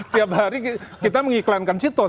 tiap hari kita mengiklankan situs